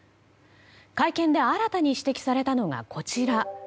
会見で新たに指摘されたのがこちら。